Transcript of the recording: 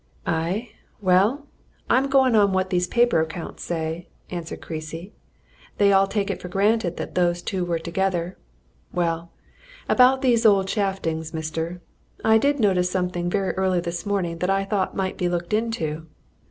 "Aye, well I'm going on what these paper accounts say," answered Creasy. "They all take it for granted that those two were together. Well, about these old shaftings, mister I did notice something very early this morning that I thought might be looked into."